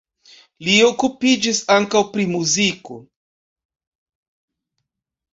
Li okupiĝis ankaŭ pri muziko.